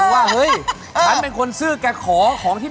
แม้นอนนะเมีย